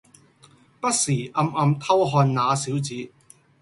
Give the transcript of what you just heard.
不時暗暗偷看那小子